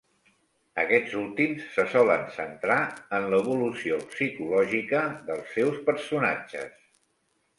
Aquests últims se solen centrar en l'evolució psicològica dels seus personatges.